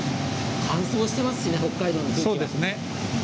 乾燥してますし北海道の空気は。